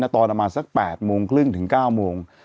ตอนสัก๘โมงนาทีลง